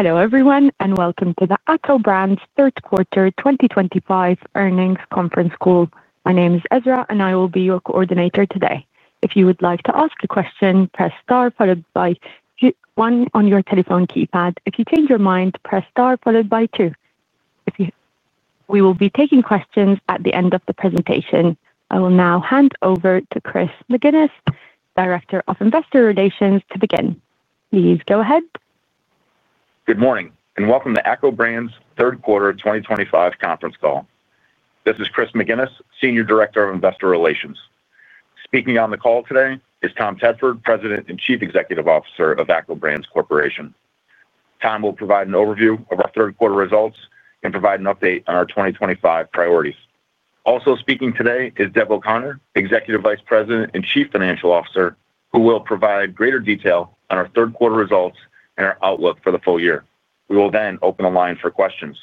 Hello everyone, and welcome to the ACCO Brands Third Quarter 2025 Earnings Conference Call. My name is Ezra, and I will be your coordinator today. If you would like to ask a question, press star followed by one on your telephone keypad. If you change your mind, press star followed by two. We will be taking questions at the end of the presentation. I will now hand over to Chris McGinnis, Director of Investor Relations, to begin. Please go ahead. Good morning, and welcome to ACCO Brands Third Quarter 2025 Conference Call. This is Chris McGinnis, Senior Director of Investor Relations. Speaking on the call today is Tom Tedford, President and Chief Executive Officer of ACCO Brands Corporation. Tom will provide an overview of our third quarter results and provide an update on our 2025 priorities. Also speaking today is Deb O'Connor, Executive Vice President and Chief Financial Officer, who will provide greater detail on our third quarter results and our outlook for the full year. We will then open the line for questions.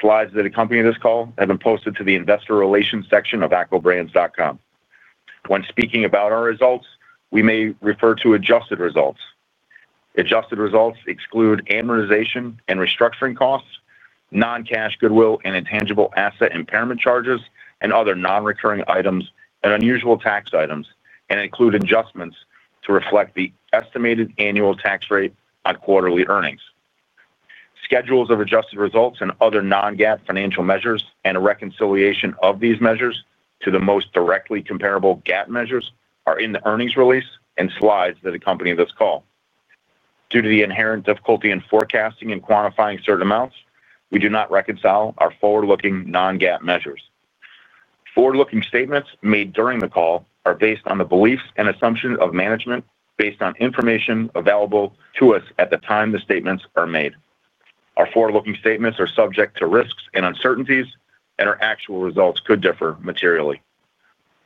Slides that accompany this call have been posted to the Investor Relations section of accobrands.com. When speaking about our results, we may refer to adjusted results. Adjusted results exclude amortization and restructuring costs, non-cash goodwill and intangible asset impairment charges, and other non-recurring items and unusual tax items, and include adjustments to reflect the estimated annual tax rate on quarterly earnings. Schedules of adjusted results and other non-GAAP financial measures and a reconciliation of these measures to the most directly comparable GAAP measures are in the earnings release and slides that accompany this call. Due to the inherent difficulty in forecasting and quantifying certain amounts, we do not reconcile our forward-looking non-GAAP measures. Forward-looking statements made during the call are based on the beliefs and assumptions of management based on information available to us at the time the statements are made. Our forward-looking statements are subject to risks and uncertainties, and our actual results could differ materially.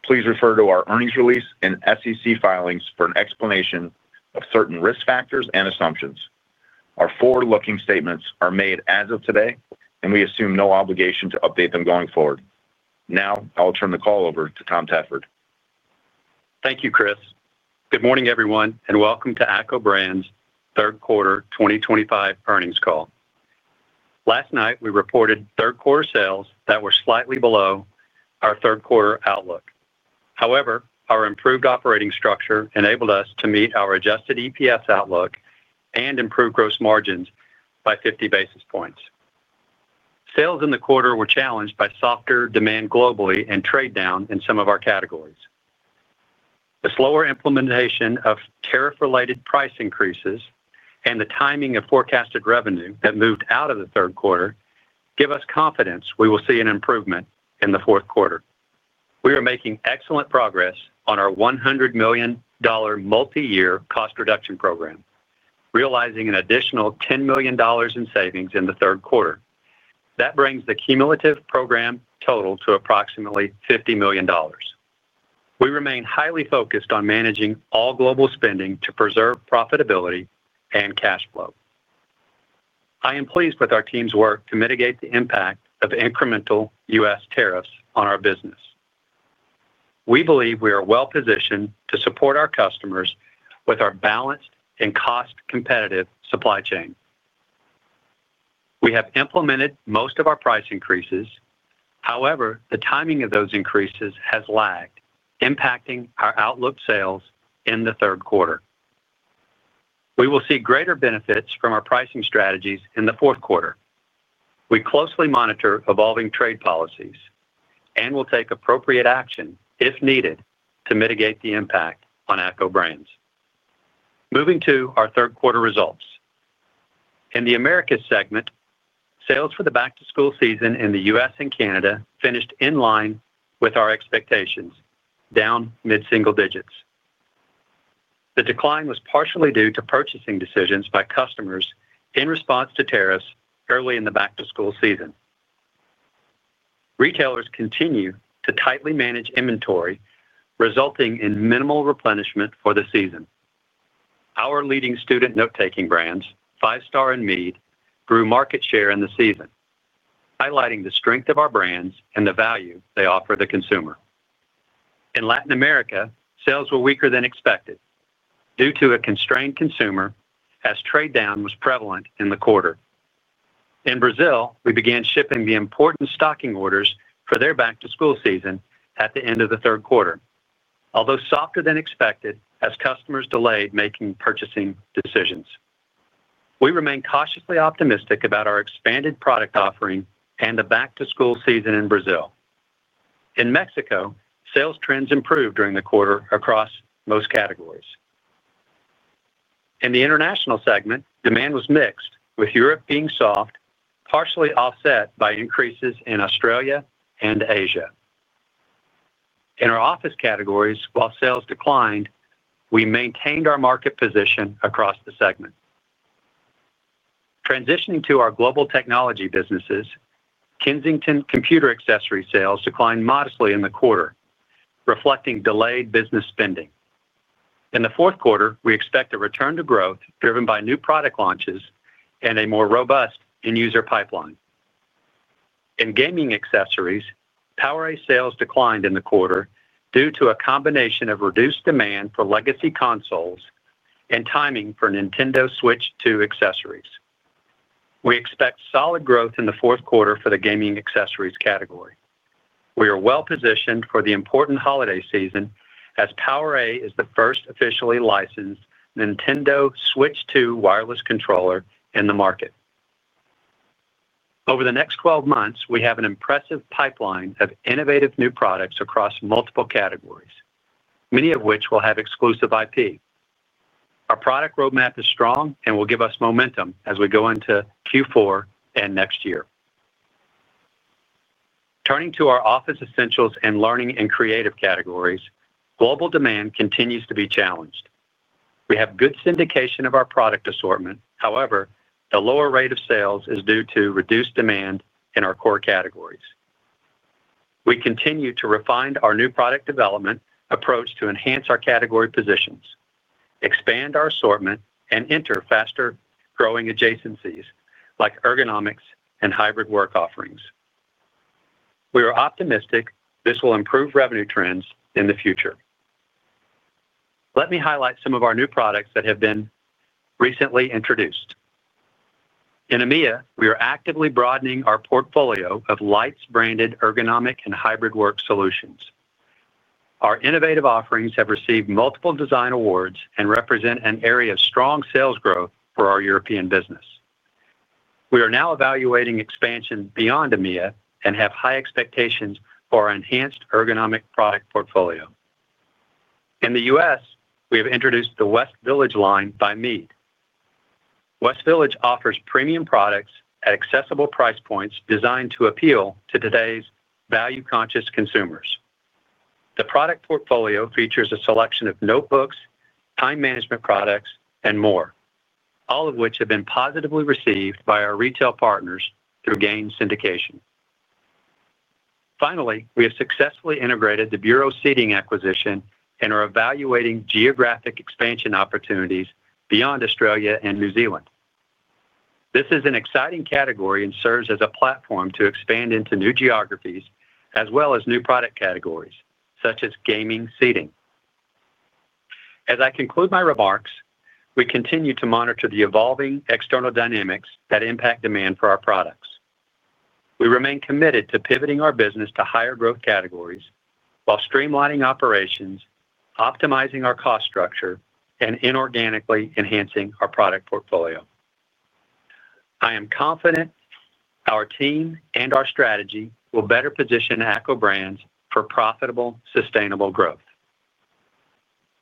Please refer to our earnings release and SEC filings for an explanation of certain risk factors and assumptions. Our forward-looking statements are made as of today, and we assume no obligation to update them going forward. Now, I will turn the call over to Tom Tedford. Thank you, Chris. Good morning, everyone, and welcome to ACCO Brands Third Quarter 2025 Earnings Call. Last night, we reported third quarter sales that were slightly below our third quarter outlook. However, our improved operating structure enabled us to meet our adjusted EPS outlook and improve gross margins by 50 basis points. Sales in the quarter were challenged by softer demand globally and trade down in some of our categories. The slower implementation of tariff-related price increases and the timing of forecasted revenue that moved out of the third quarter give us confidence we will see an improvement in the fourth quarter. We are making excellent progress on our $100 million multi-year cost reduction program, realizing an additional $10 million in savings in the third quarter. That brings the cumulative program total to approximately $50 million. We remain highly focused on managing all global spending to preserve profitability and cash flow. I am pleased with our team's work to mitigate the impact of incremental U.S. tariffs on our business. We believe we are well positioned to support our customers with our balanced and cost-competitive supply chain. We have implemented most of our price increases. However, the timing of those increases has lagged, impacting our outlook sales in the third quarter. We will see greater benefits from our pricing strategies in the fourth quarter. We closely monitor evolving trade policies and will take appropriate action, if needed, to mitigate the impact on ACCO Brands. Moving to our third quarter results, in the Americas segment, sales for the back-to-school season in the U.S. and Canada finished in line with our expectations, down mid-single digits. The decline was partially due to purchasing decisions by customers in response to tariffs early in the back-to-school season. Retailers continue to tightly manage inventory, resulting in minimal replenishment for the season. Our leading student note-taking brands, Five Star and Mead, grew market share in the season, highlighting the strength of our brands and the value they offer the consumer. In Latin America, sales were weaker than expected due to a constrained consumer, as trade down was prevalent in the quarter. In Brazil, we began shipping the important stocking orders for their back-to-school season at the end of the third quarter, although softer than expected as customers delayed making purchasing decisions. We remain cautiously optimistic about our expanded product offering and the back-to-school season in Brazil. In Mexico, sales trends improved during the quarter across most categories. In the international segment, demand was mixed, with Europe being soft, partially offset by increases in Australia and Asia. In our office categories, while sales declined, we maintained our market position across the segment. Transitioning to our global technology businesses, Kensington computer accessory sales declined modestly in the quarter, reflecting delayed business spending. In the fourth quarter, we expect a return to growth driven by new product launches and a more robust end-user pipeline. In gaming accessories, PowerA sales declined in the quarter due to a combination of reduced demand for legacy consoles and timing for Nintendo Switch 2 accessories. We expect solid growth in the fourth quarter for the gaming accessories category. We are well positioned for the important holiday season as PowerA is the first officially licensed Nintendo Switch 2 wireless controller in the market. Over the next 12 months, we have an impressive pipeline of innovative new products across multiple categories, many of which will have exclusive IP. Our product roadmap is strong and will give us momentum as we go into Q4 and next year. Turning to our Office Essentials and Learning and Creative categories, global demand continues to be challenged. We have good syndication of our product assortment. However, the lower rate of sales is due to reduced demand in our core categories. We continue to refine our new product development approach to enhance our category positions, expand our assortment, and enter faster-growing adjacencies like ergonomics and hybrid work offerings. We are optimistic this will improve revenue trends in the future. Let me highlight some of our new products that have been recently introduced. In EMEA, we are actively broadening our portfolio of Leitz branded ergonomic and hybrid work solutions. Our innovative offerings have received multiple design awards and represent an area of strong sales growth for our European business. We are now evaluating expansion beyond EMEA and have high expectations for our enhanced ergonomic product portfolio. In the U.S., we have introduced the West Village line by Mead. West Village offers premium products at accessible price points designed to appeal to today's value-conscious consumers. The product portfolio features a selection of notebooks, time management products, and more, all of which have been positively received by our retail partners through gain syndication. Finally, we have successfully integrated the Buro Seating acquisition and are evaluating geographic expansion opportunities beyond Australia and New Zealand. This is an exciting category and serves as a platform to expand into new geographies as well as new product categories such as gaming seating. As I conclude my remarks, we continue to monitor the evolving external dynamics that impact demand for our products. We remain committed to pivoting our business to higher growth categories while streamlining operations, optimizing our cost structure, and inorganically enhancing our product portfolio. I am confident our team and our strategy will better position ACCO Brands for profitable, sustainable growth.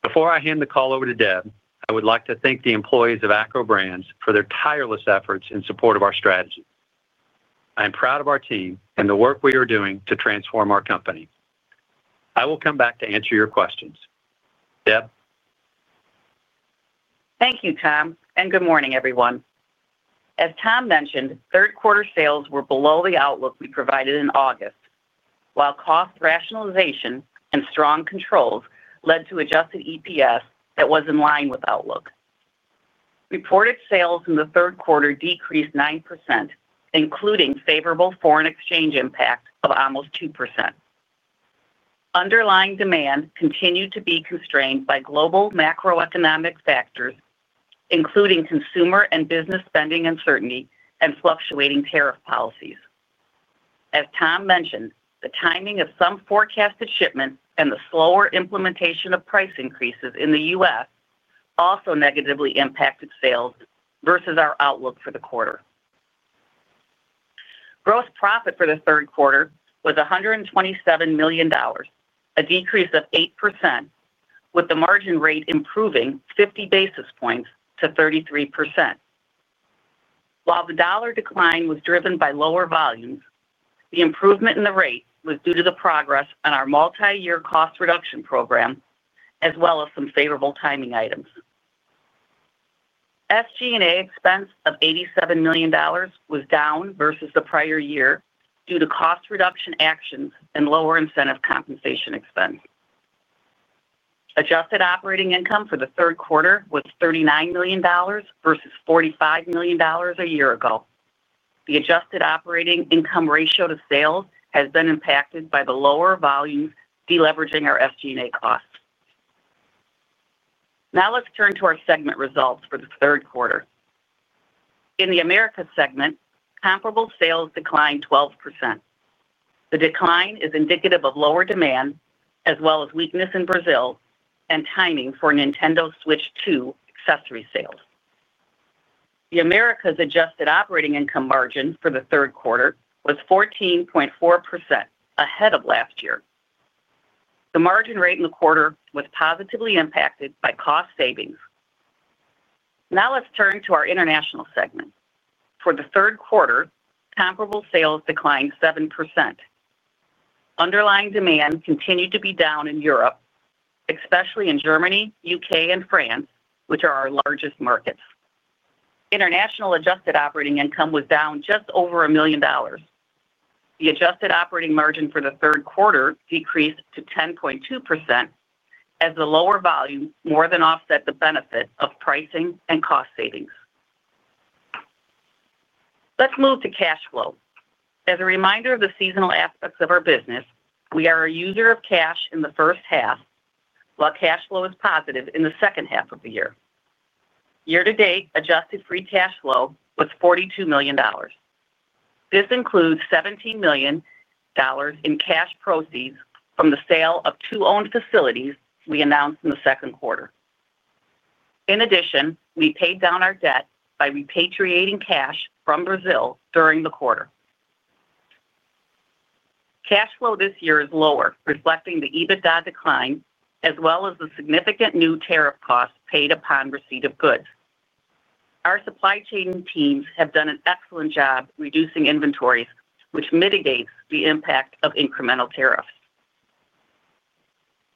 Before I hand the call over to Deb, I would like to thank the employees of ACCO Brands for their tireless efforts in support of our strategy. I am proud of our team and the work we are doing to transform our company. I will come back to answer your questions. Deb. Thank you, Tom, and good morning, everyone. As Tom mentioned, third quarter sales were below the outlook we provided in August. While cost rationalization and strong controls led to adjusted EPS that was in line with outlook. Reported sales in the third quarter decreased 9%, including favorable foreign exchange impact of almost 2%. Underlying demand continued to be constrained by global macroeconomic factors, including consumer and business spending uncertainty and fluctuating tariff policies. As Tom mentioned, the timing of some forecasted shipment and the slower implementation of price increases in the U.S. also negatively impacted sales versus our outlook for the quarter. Gross profit for the third quarter was $127 million, a decrease of 8%, with the margin rate improving 50 basis points to 33%. While the dollar decline was driven by lower volumes, the improvement in the rate was due to the progress on our multi-year cost reduction program, as well as some favorable timing items. SG&A expense of $87 million was down versus the prior year due to cost reduction actions and lower incentive compensation expense. Adjusted operating income for the third quarter was $39 million versus $45 million a year ago. The adjusted operating income ratio to sales has been impacted by the lower volumes deleveraging our SG&A costs. Now let's turn to our segment results for the third quarter. In the America segment, comparable sales declined 12%. The decline is indicative of lower demand as well as weakness in Brazil and timing for Nintendo Switch 2 accessory sales. The America's adjusted operating income margin for the third quarter was 14.4% ahead of last year. The margin rate in the quarter was positively impacted by cost savings. Now let's turn to our international segment. For the third quarter, comparable sales declined 7%. Underlying demand continued to be down in Europe, especially in Germany, the UK, and France, which are our largest markets. International adjusted operating income was down just over $1 million. The adjusted operating margin for the third quarter decreased to 10.2%, as the lower volume more than offset the benefit of pricing and cost savings. Let's move to cash flow. As a reminder of the seasonal aspects of our business, we are a user of cash in the first half, while cash flow is positive in the second half of the year. Year-to-date, adjusted free cash flow was $42 million. This includes $17 million. In cash proceeds from the sale of two owned facilities we announced in the second quarter. In addition, we paid down our debt by repatriating cash from Brazil during the quarter. Cash flow this year is lower, reflecting the EBITDA decline as well as the significant new tariff costs paid upon receipt of goods. Our supply chain teams have done an excellent job reducing inventories, which mitigates the impact of incremental tariffs.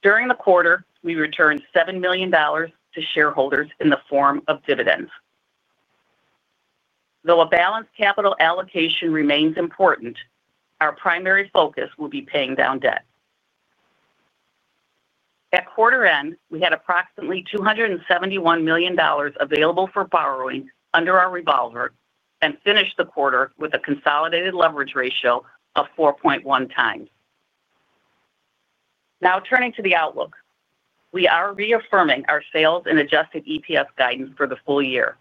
During the quarter, we returned $7 million to shareholders in the form of dividends. Though a balanced capital allocation remains important, our primary focus will be paying down debt. At quarter end, we had approximately $271 million available for borrowing under our revolver and finished the quarter with a consolidated leverage ratio of 4.1x. Now turning to the outlook, we are reaffirming our sales and adjusted EPS guidance for the full year.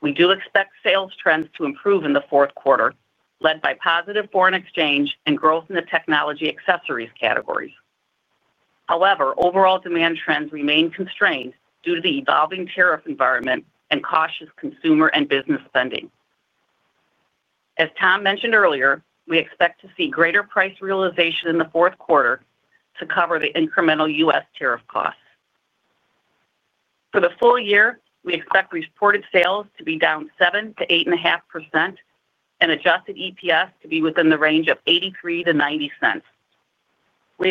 We do expect sales trends to improve in the fourth quarter, led by positive foreign exchange and growth in the Technology Accessories We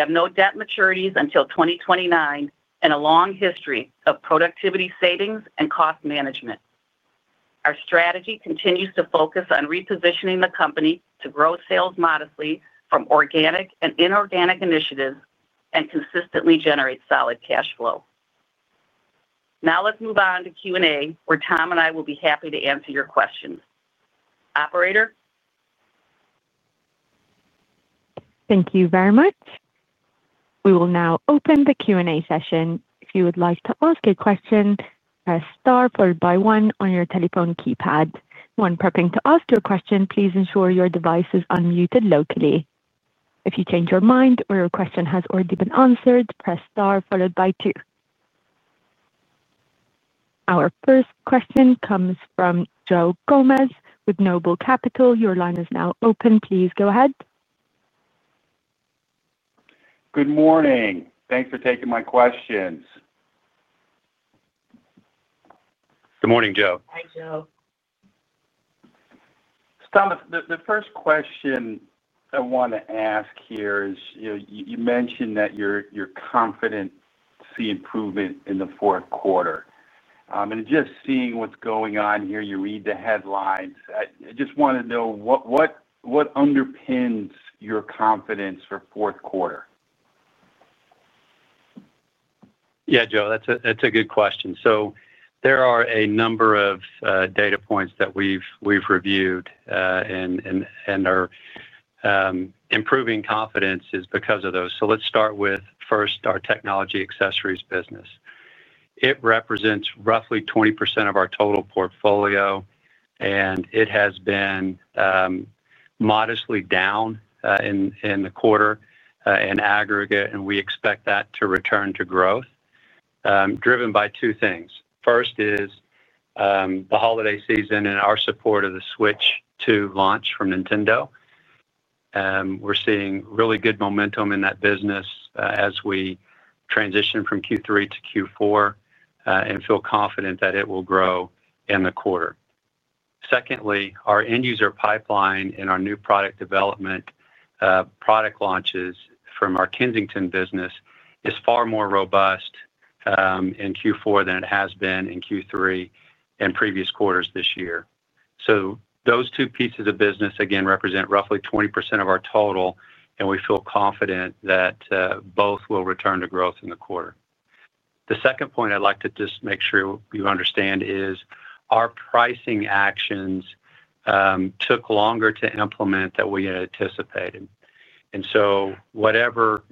have no debt maturities until 2029 and a long history of productivity savings and cost management. Our strategy continues to focus on repositioning the company to grow sales modestly from organic and inorganic initiatives and consistently generate solid cash flow. Now let's move on to Q&A, where Tom and I will be happy to answer your questions. Operator. Thank you very much. We will now open the Q&A session. If you would like to ask a question, press star followed by one on your telephone keypad. When prepping to ask your question, please ensure your device is unmuted locally. If you change your mind or your question has already been answered, press star followed by two. Our first question comes from Joe Gomes with Noble Capital. Your line is now open. Please go ahead. Good morning. Thanks for taking my questions. Good morning, Joe. Hi, Joe. Thomas, the first question I want to ask here is you mentioned that you're confident to see improvement in the fourth quarter. Just seeing what's going on here, you read the headlines, I just want to know what underpins your confidence for fourth quarter? Yeah, Joe, that's a good question. There are a number of data points that we've reviewed, and our improving confidence is because of those. Let's start with first our Technology Accessories business. It represents roughly 20% of our total portfolio, and it has been modestly down in the quarter in aggregate, and we expect that to return to growth, driven by two things. First is the holiday season and our support of the Switch 2 launch from Nintendo. We're seeing really good momentum in that business as we transition from Q3 to Q4 and feel confident that it will grow in the quarter. Secondly, our end user pipeline and our new product development. Product launches from our Kensington business are far more robust in Q4 than it has been in Q3 and previous quarters this year. Those two pieces of business, again, represent roughly 20% of our total, and we feel confident that both will return to growth in the quarter. The second point I'd like to just make sure you understand is our pricing actions took longer to implement than we anticipated, and so whatever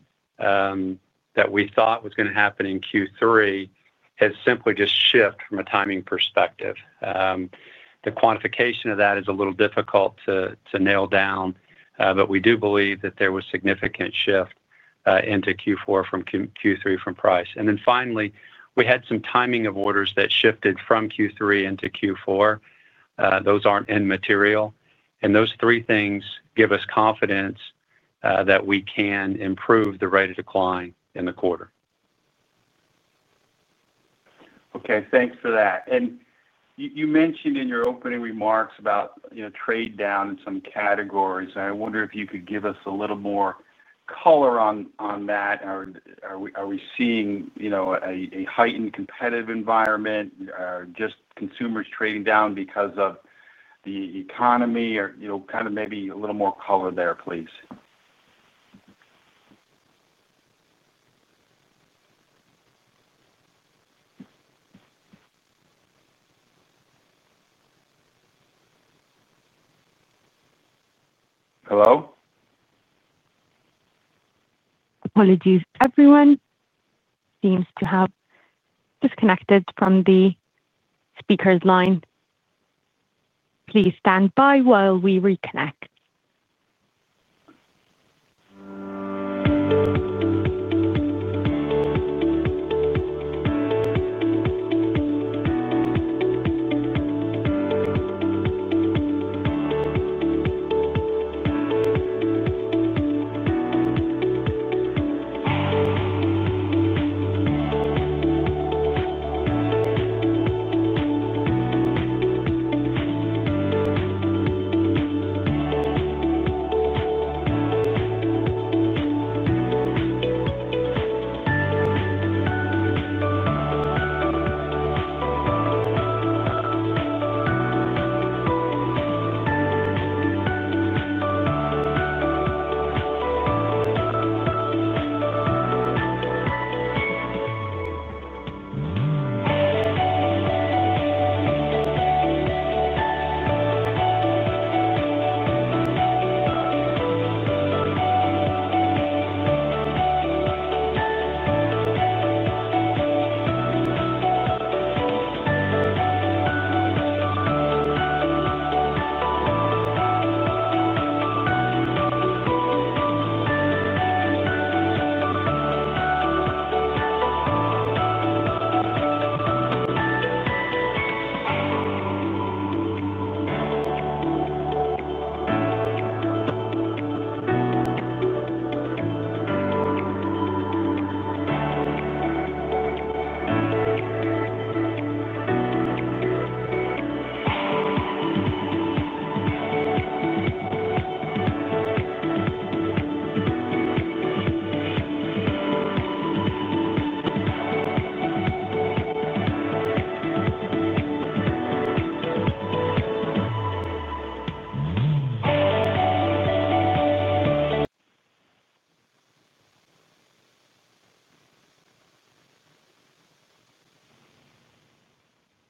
that we thought was going to happen in Q3 has simply just shifted from a timing perspective. The quantification of that is a little difficult to nail down, but we do believe that there was a significant shift into Q4 from Q3 from price. Finally, we had some timing of orders that shifted from Q3 into Q4. Those aren't immaterial, and those three things give us confidence that we can improve the rate of decline in the quarter. Okay, thanks for that. You mentioned in your opening remarks about trade down in some categories. I wonder if you could give us a little more color on that. Are we seeing a heightened competitive environment, or just consumers trading down because of the economy? Maybe a little more color there, please. Hello? Everyone. It seems everyone has disconnected from the speaker's line. Please stand by while we reconnect.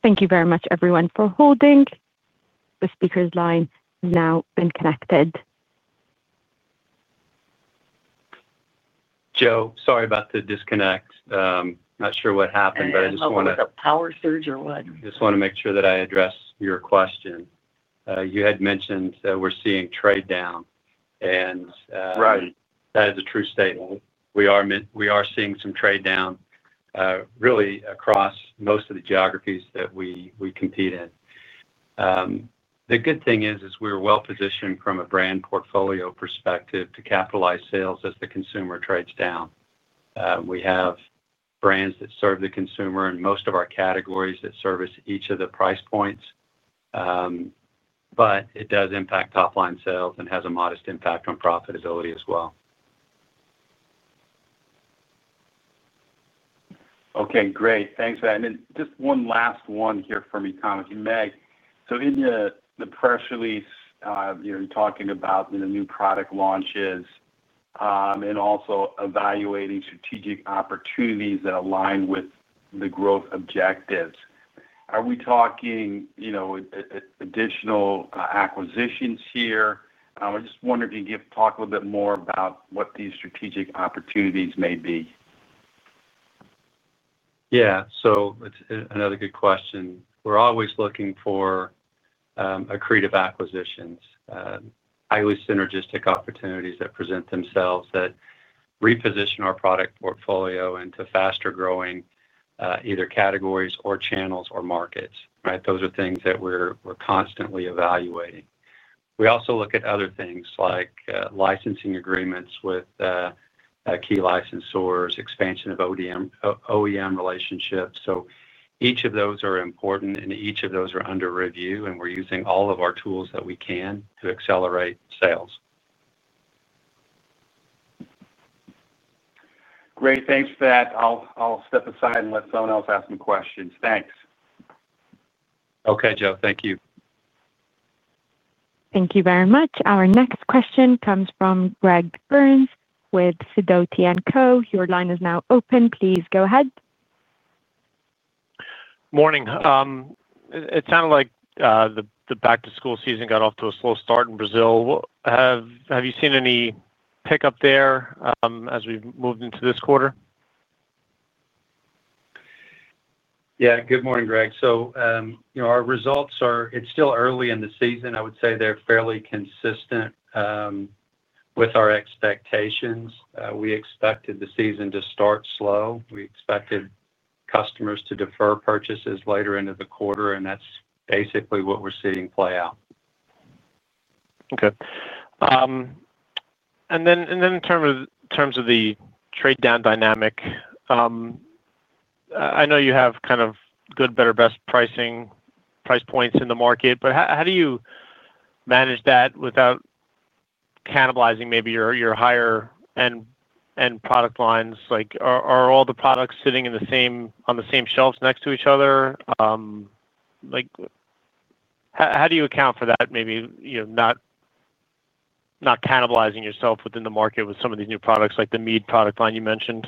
Thank you very much, everyone, for holding. The speaker's line has now been connected. Joe, sorry about the disconnect. Not sure what happened, but I just want to. I don't know if it was a power surge or what. Just want to make sure that I address your question. You had mentioned we're seeing trade down. Right. That is a true statement. We are seeing some trade down, really across most of the geographies that we compete in. The good thing is we're well positioned from a brand portfolio perspective to capitalize sales as the consumer trades down. We have brands that serve the consumer in most of our categories that service each of the price points. It does impact top-line sales and has a modest impact on profitability as well. Okay, great. Thanks for that. Just one last one here from me. In the press release, you're talking about the new product launches and also evaluating strategic opportunities that align with the growth objectives. Are we talking additional acquisitions here? I just wonder if you could talk a little bit more about what these strategic opportunities may be. Yeah, it's another good question. We're always looking for accretive acquisitions, highly synergistic opportunities that present themselves that reposition our product portfolio into faster growing either categories or channels or markets. Those are things that we're constantly evaluating. We also look at other things like licensing agreements with key licensors, expansion of OEM relationships. Each of those are important, and each of those are under review, and we're using all of our tools that we can to accelerate sales. Great, thanks for that. I'll step aside and let someone else ask some questions. Thanks. Okay, Joe, thank you. Thank you very much. Our next question comes from Greg Burns with Sidoti & Co. Your line is now open. Please go ahead. Morning. It sounded like the back-to-school season got off to a slow start in Brazil. Have you seen any pickup there as we've moved into this quarter? Good morning, Greg. Our results are—it's still early in the season. I would say they're fairly consistent with our expectations. We expected the season to start slow. We expected customers to defer purchases later into the quarter, and that's basically what we're seeing play out. Okay. In terms of the trade-down dynamic, I know you have kind of good, better, best pricing price points in the market. How do you manage that without cannibalizing maybe your higher-end product lines? Are all the products sitting on the same shelves next to each other? How do you account for that, maybe not cannibalizing yourself within the market with some of these new products like the Mead product line you mentioned?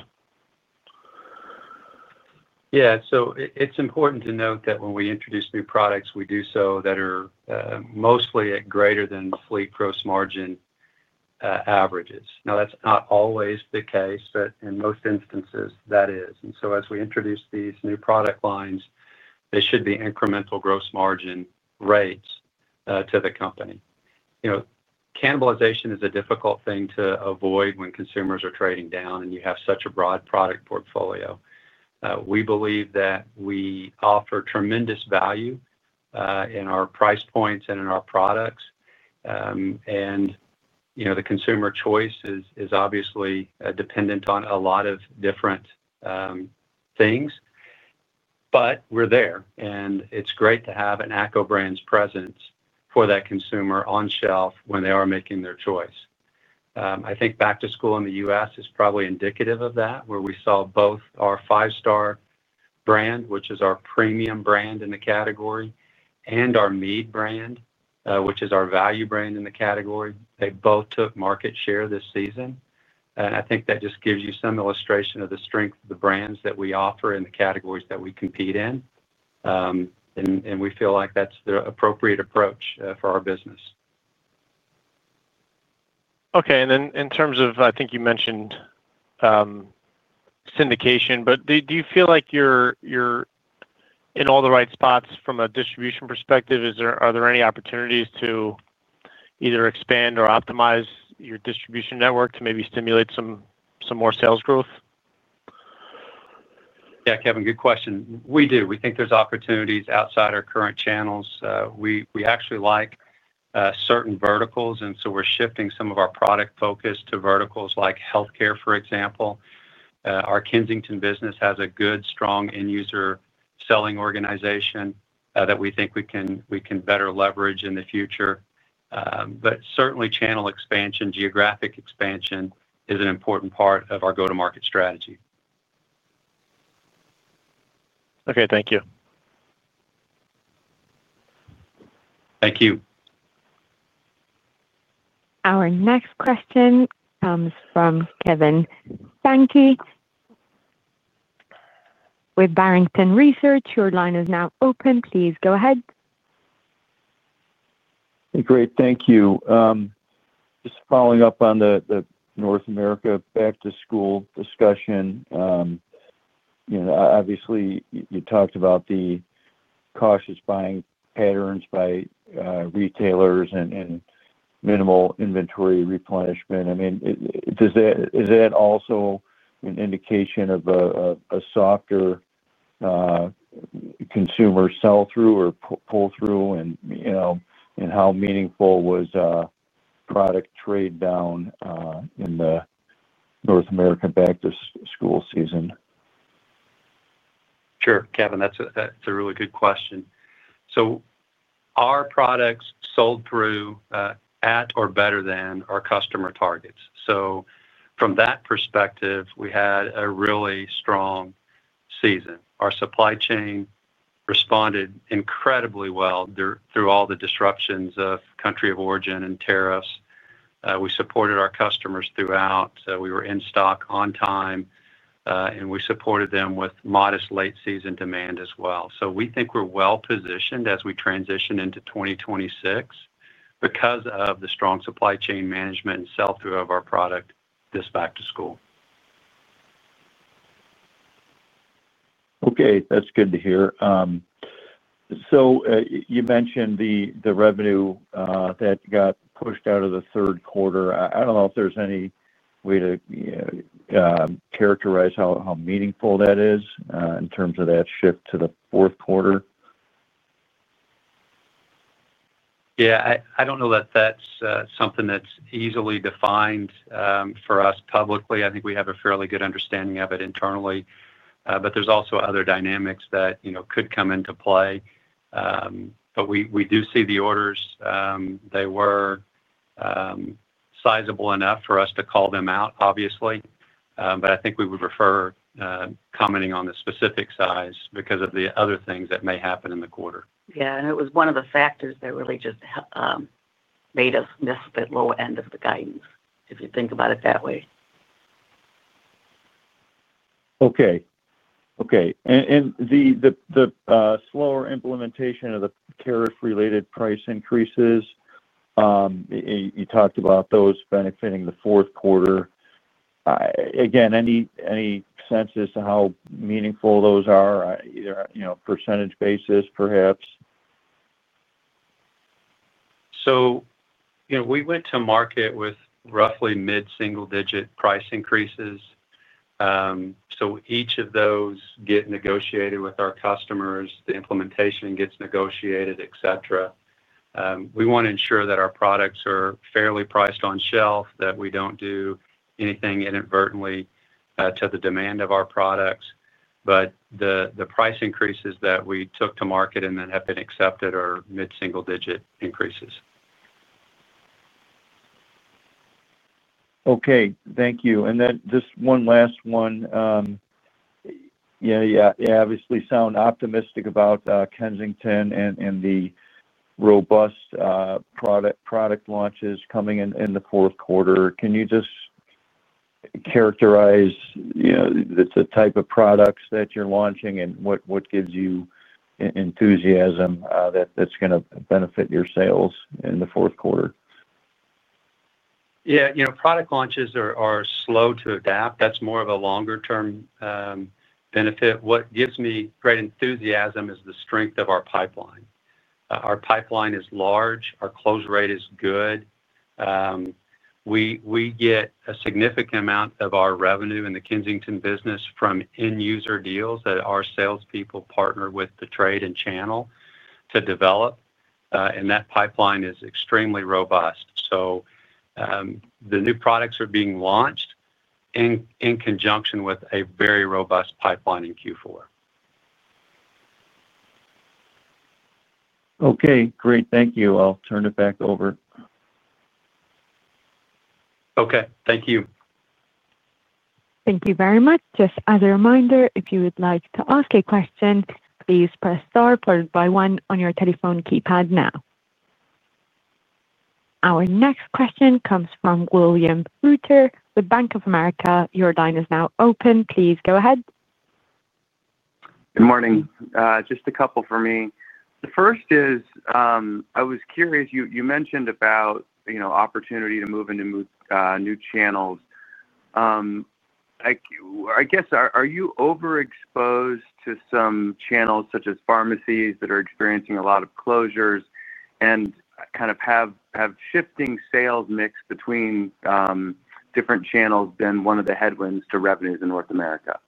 Yeah, it's important to note that when we introduce new products, we do so that are mostly at greater than fleet gross margin averages. That's not always the case, but in most instances, that is. As we introduce these new product lines, they should be incremental gross margin rates to the company. Cannibalization is a difficult thing to avoid when consumers are trading down, and you have such a broad product portfolio. We believe that we offer tremendous value in our price points and in our products. The consumer choice is obviously dependent on a lot of different things. We're there, and it's great to have an ACCO Brands presence for that consumer on shelf when they are making their choice. I think back-to-school in the U.S. is probably indicative of that, where we saw both our Five Star brand, which is our premium brand in the category, and our Mead brand, which is our value brand in the category. They both took market share this season. I think that just gives you some illustration of the strength of the brands that we offer in the categories that we compete in. We feel like that's the appropriate approach for our business. Okay, in terms of syndication, do you feel like you're in all the right spots from a distribution perspective? Are there any opportunities to either expand or optimize your distribution network to maybe stimulate some more sales growth? Yeah, Greg, good question. We do. We think there's opportunities outside our current channels. We actually like certain verticals, and we're shifting some of our product focus to verticals like healthcare, for example. Our Kensington business has a good, strong end user selling organization that we think we can better leverage in the future. Certainly, channel expansion and geographic expansion is an important part of our go-to-market strategy. Okay, thank you. Thank you. Our next question comes from Kevin Steinke with Barrington Research. Your line is now open. Please go ahead. Great, thank you. Just following up on the North America back-to-school discussion. Obviously, you talked about the cautious buying patterns by retailers and minimal inventory replenishment. Is that also an indication of a softer consumer sell-through or pull-through? How meaningful was product trade down in the North America back-to-school season? Sure, Kevin, that's a really good question. Our products sold through at or better than our customer targets. From that perspective, we had a really strong season. Our supply chain responded incredibly well through all the disruptions of country of origin and tariffs. We supported our customers throughout. We were in stock on time, and we supported them with modest late-season demand as well. We think we're well positioned as we transition into 2026 because of the strong supply chain management and sell-through of our product this back-to-school. Okay, that's good to hear. You mentioned the revenue that got pushed out of the third quarter. I don't know if there's any way to characterize how meaningful that is in terms of that shift to the fourth quarter. I don't know that that's something that's easily defined for us publicly. I think we have a fairly good understanding of it internally. There's also other dynamics that could come into play. We do see the orders. They were sizable enough for us to call them out, obviously. I think we would prefer commenting on the specific size because of the other things that may happen in the quarter. Yeah, it was one of the factors that really just made us miss the low end of the guidance, if you think about it that way. Okay. The slower implementation of the tariff-related price increases, you talked about those benefiting the fourth quarter. Again, any sense as to how meaningful those are, either on a % basis, perhaps? We went to market with roughly mid-single-digit price increases. Each of those gets negotiated with our customers. The implementation gets negotiated, etc. We want to ensure that our products are fairly priced on shelf, that we don't do anything inadvertently to the demand of our products. The price increases that we took to market and then have been accepted are mid-single-digit increases. Okay, thank you. Just one last one. You obviously sound optimistic about Kensington and the robust product launches coming in the fourth quarter. Can you just characterize the type of products that you're launching and what gives you enthusiasm that's going to benefit your sales in the fourth quarter? Yeah, product launches are slow to adapt. That's more of a longer-term benefit. What gives me great enthusiasm is the strength of our pipeline. Our pipeline is large. Our close rate is good. We get a significant amount of our revenue in the Kensington business from end user deals that our salespeople partner with the trade and channel to develop. That pipeline is extremely robust. The new products are being launched in conjunction with a very robust pipeline in Q4. Okay, great. Thank you. I'll turn it back over. Okay, thank you. Thank you very much. Just as a reminder, if you would like to ask a question, please press star followed by one on your telephone keypad now. Our next question comes from William Reuter with Bank of America. Your line is now open. Please go ahead. Good morning. Just a couple for me. The first is, I was curious, you mentioned about opportunity to move into new channels. I guess, are you overexposed to some channels such as pharmacies that are experiencing a lot of closures and kind of have shifting sales mix between different channels? Been one of the headwinds to revenues in North America?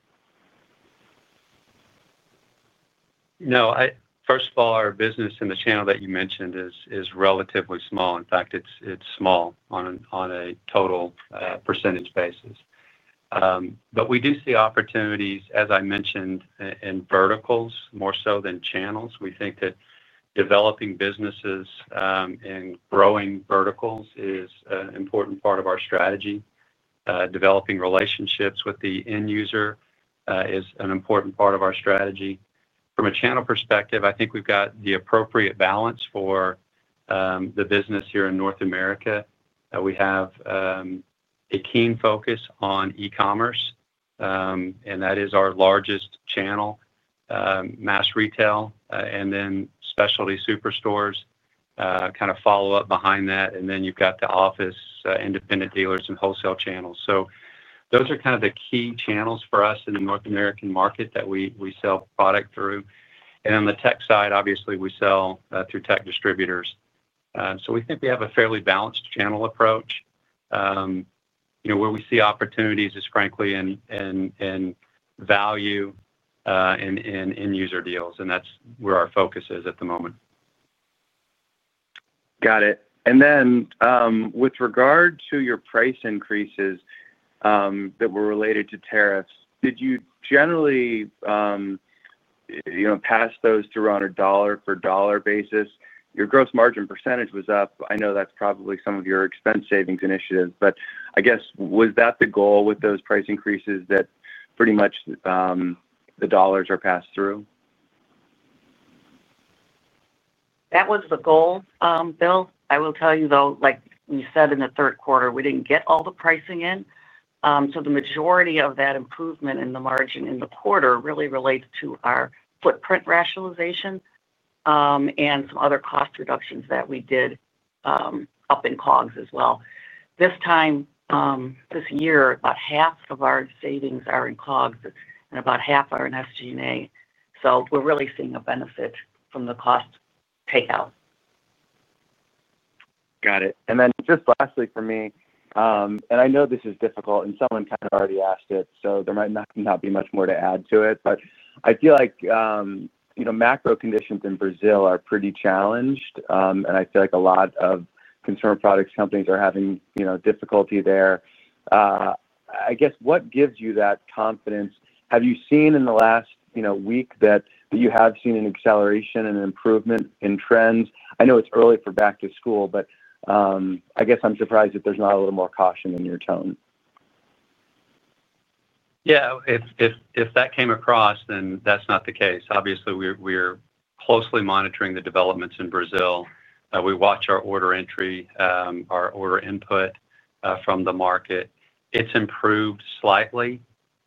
No, first of all, our business in the channel that you mentioned is relatively small. In fact, it's small on a total % basis. We do see opportunities, as I mentioned, in verticals more so than channels. We think that developing businesses and growing verticals is an important part of our strategy. Developing relationships with the end user is an important part of our strategy. From a channel perspective, I think we've got the appropriate balance for the business here in North America. We have a keen focus on e-commerce, and that is our largest channel. Mass retail and then specialty superstores kind of follow up behind that. Then you've got the office, independent dealers, and wholesale channels. Those are kind of the key channels for us in the North American market that we sell product through. On the tech side, obviously, we sell through tech distributors. We think we have a fairly balanced-channel approach. Where we see opportunities is, frankly, in value and end user deals, and that's where our focus is at the moment. Got it. With regard to your price increases that were related to tariffs, did you generally pass those through on a dollar-for-dollar basis? Your gross margin percentage was up. I know that's probably some of your expense savings initiatives, but I guess, was that the goal with those price increases that pretty much the dollars are passed through? That was the goal, Bill. I will tell you, though, like we said in the third quarter, we didn't get all the pricing in. The majority of that improvement in the margin in the quarter really relates to our footprint rationalization and some other cost reductions that we did up in COGS as well. This year, about half of our savings are in COGS and about half are in SG&A. We're really seeing a benefit from the cost takeout. Got it. Lastly for me, I know this is difficult, and someone kind of already asked it, so there might not be much more to add to it, but I feel like macro conditions in Brazil are pretty challenged. I feel like a lot of consumer products companies are having difficulty there. I guess, what gives you that confidence? Have you seen in the last week that you have seen an acceleration and improvement in trends? I know it's early for back-to-school, but I guess I'm surprised that there's not a little more caution in your tone. Yeah, if that came across, then that's not the case. Obviously, we're closely monitoring the developments in Brazil. We watch our order entry, our order input from the market. It's improved slightly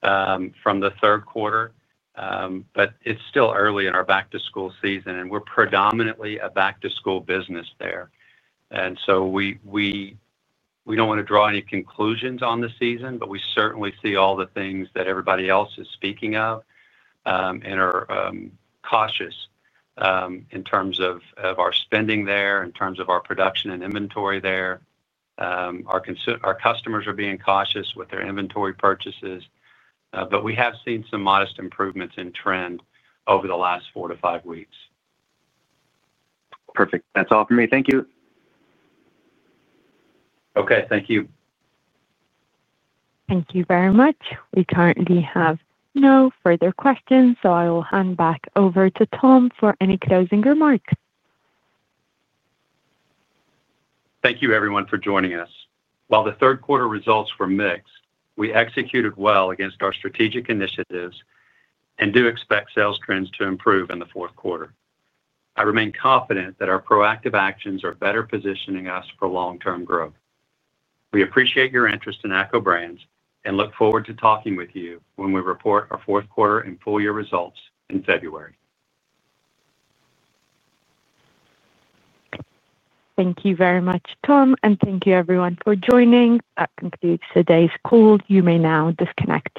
from the third quarter, but it's still early in our back-to-school season, and we're predominantly a back-to-school business there. We don't want to draw any conclusions on the season, but we certainly see all the things that everybody else is speaking of and are cautious in terms of our spending there, in terms of our production and inventory there. Our customers are being cautious with their inventory purchases. We have seen some modest improvements in trend over the last four to five weeks. Perfect. That's all for me. Thank you. Okay, thank you. Thank you very much. We currently have no further questions, so I will hand back over to Tom for any closing remarks. Thank you, everyone, for joining us. While the third quarter results were mixed, we executed well against our strategic initiatives and do expect sales trends to improve in the fourth quarter. I remain confident that our proactive actions are better positioning us for long-term growth. We appreciate your interest in ACCO Brands and look forward to talking with you when we report our fourth quarter and full year results in February. Thank you very much, Tom, and thank you, everyone, for joining. That concludes today's call. You may now disconnect.